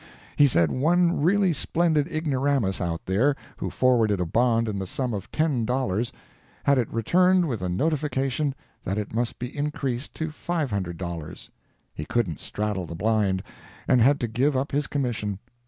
He said one really splendid ignoramus out there who forwarded a bond in the sum of $10, had it returned with a notification that it must be increased to $500; he couldn't straddle the blind, and had to give up his commission.